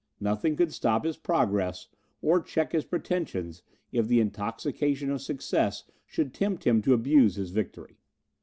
Nothing could stop his progress, or check his pretensions, if the intoxication of success should tempt him to abuse his victory.